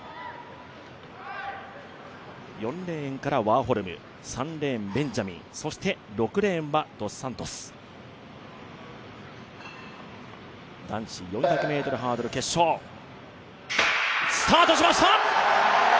４レーンからワーホルムそして６レーンはドス・サントス男子４００ｍハードル決勝スタートしました！